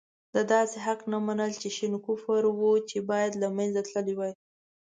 د داسې حق نه منل شين کفر وو چې باید له منځه تللی وای.